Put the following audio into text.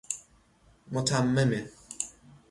متممه